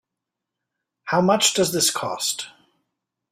How much does this cost?